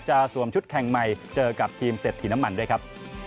สวมชุดแข่งใหม่เจอกับทีมเศรษฐีน้ำมันด้วยครับ